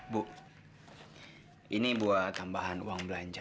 bu ini buat tambahan uang belanja